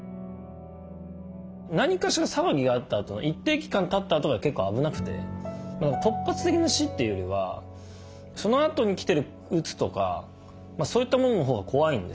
何かしら騒ぎがあったあとの一定期間たったあとが結構危なくて突発的な死というよりはそのあとに来てるうつとかそういったもののほうが怖いんですよね